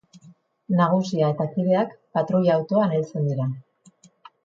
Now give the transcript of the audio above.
Nagusia eta kideak patruila-autoan heltzen dira.